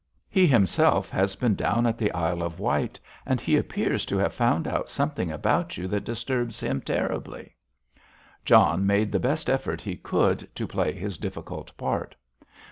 He himself has been down at the Isle of Wight and he appears to have found out something about you that disturbs him terribly." John made the best effort he could to play his difficult part.